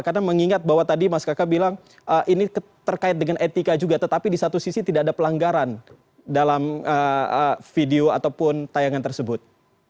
karena mengingat bahwa tadi mas kaka bilang ini terkait dengan etika juga tetapi di satu sisi tidak ada pelanggaran dalam video ataupun tayangan tersebut